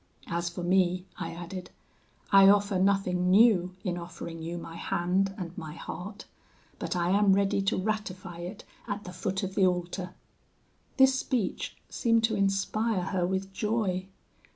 As for me,' I added, 'I offer nothing new in offering you my hand and my heart; but I am ready to ratify it at the foot of the altar.' "This speech seemed to inspire her with joy.